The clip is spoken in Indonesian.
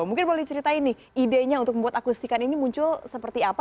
mungkin boleh diceritain nih idenya untuk membuat akustikan ini muncul seperti apa